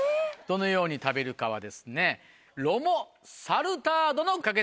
どのように食べるかは。